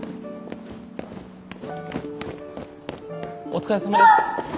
お疲れさまです。